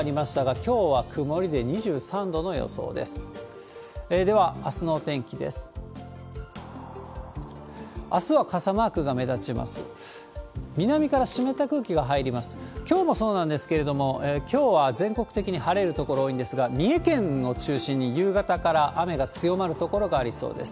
きょうもそうなんですけれども、きょうは全国的に晴れる所多いんですが、三重県を中心に夕方から雨が強まる所がありそうです。